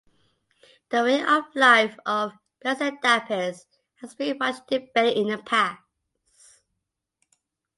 The way of life of "Plesiadapis" has been much debated in the past.